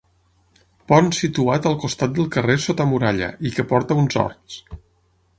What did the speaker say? Pont situat al costat del carrer Sota Muralla, i que porta a uns horts.